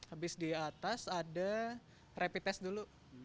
habis di atas ada rapid test dulu